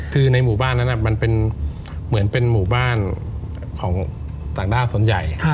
คือในหมู่บ้านนั้นมันเป็นเหมือนเป็นหมู่บ้านของต่างด้าวส่วนใหญ่